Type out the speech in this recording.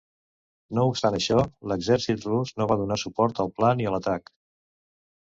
No obstant això, l'exèrcit rus no va donar suport al pla ni a l'atac.